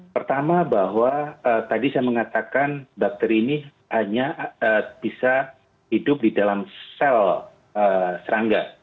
pertama bahwa tadi saya mengatakan bakteri ini hanya bisa hidup di dalam sel serangga